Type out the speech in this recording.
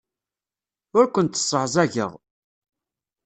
Ur kent-sseɛẓageɣ.